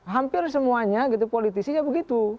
hampir semuanya politisi begitu